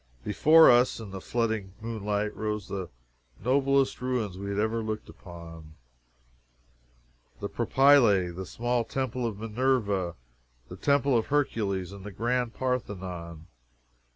Before us, in the flooding moonlight, rose the noblest ruins we had ever looked upon the Propylae; a small Temple of Minerva; the Temple of Hercules, and the grand Parthenon.